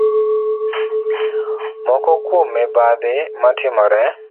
Moko kuom mibadhi ma timore